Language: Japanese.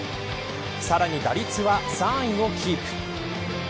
さらに打率は３位をキープ。